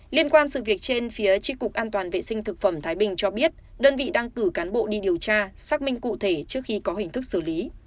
liên quan sự việc trên phía tri cục an toàn vệ sinh thực phẩm thái bình cho biết đơn vị đang cử cán bộ đi điều tra xác minh cụ thể trước khi có hình thức xử lý